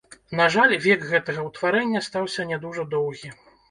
На жаль, век гэтага ўтварэння стаўся не дужа доўгі.